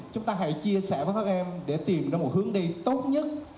chúng ta hãy chia sẻ với các em để tìm ra một hướng đi tốt nhất